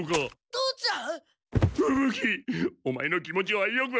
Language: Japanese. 父ちゃん。